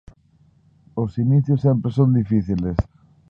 Os inicios sempre son difíciles.